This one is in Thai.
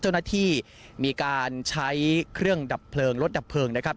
เจ้าหน้าที่มีการใช้เครื่องดับเพลิงรถดับเพลิงนะครับ